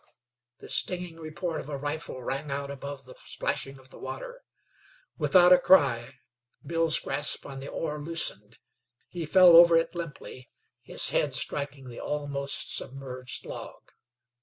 The stinging report of a rifle rang out above the splashing of the water. Without a cry, Bill's grasp on the oar loosened; he fell over it limply, his head striking the almost submerged log.